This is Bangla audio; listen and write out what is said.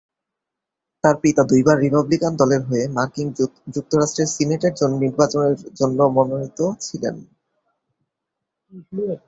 তার পিতা দুইবার রিপাবলিকান দলের হয়ে মার্কিন যুক্তরাষ্ট্রের সিনেটের জন্য নির্বাচনের জন্য মনোনীত ছিলেন।